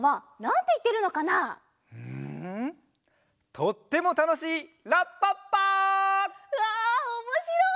とってもたのしいらっぱっぱ！うわおもしろい！